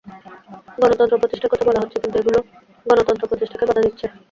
গণতন্ত্র প্রতিষ্ঠার কথা বলা হচ্ছে, কিন্তু এগুলো গণতন্ত্র প্রতিষ্ঠাকে বাধা দিচ্ছে।